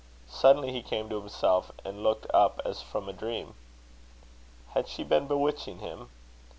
Suddenly he came to himself, and looked up as from a dream. Had she been bewitching him?